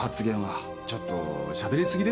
ちょっとしゃべりすぎですよ